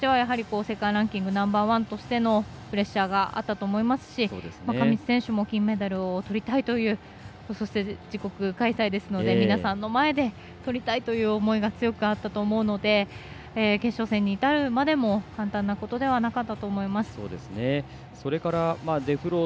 デフロート選手としては世界ランキングナンバーワンとしてのプレッシャーがあったと思いますし上地選手も金メダルをとりたいというそして、自国開催ですので皆さんの前でとりたいという思いが強くあったと思うので決勝戦にいたるまでも簡単なことではなかったと思います。